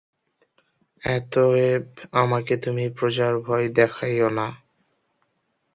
অতএব আমাকে তুমি প্রজার ভয় দেখাইও না।